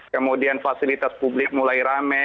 kemudian fasilitas publik mulai rame